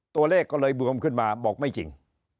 ตัวเลขก็เลยบวมขึ้นมาบอกไม่จริง